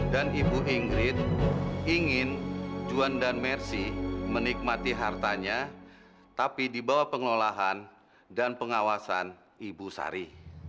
dan ibu ingrid ingin juan dan mercy menikmati hartanya tapi dibawa pengolahan dan pengawasan ibu sari